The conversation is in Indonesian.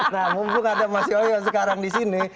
nah mumpung ada mas yoyo sekarang di sini